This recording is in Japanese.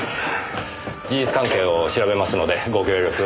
事実関係を調べますのでご協力を。